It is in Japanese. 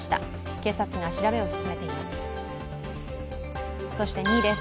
警察が調べを進めています。